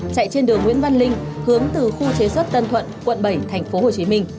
chạy trên đường nguyễn văn linh hướng từ khu chế xuất tân thuận quận bảy tp hcm